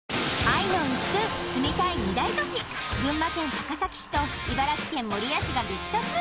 愛のウップン住みたい２大都市群馬県高崎市と茨城県守谷市が激突